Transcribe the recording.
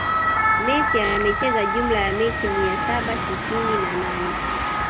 Messi amecheza jumla ya mechi mia saba sitini na nane